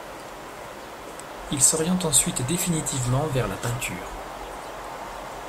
Il s'oriente ensuite définitivement vers la peinture.